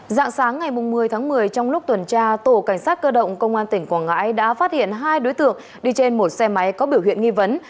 dạng sáng ngày một mươi tháng một mươi trong lúc tuần tra tổ cảnh sát cơ động công an tỉnh quảng ngãi đã phát hiện hai đối tượng đi trên một xe máy có biểu hiện nghi vấn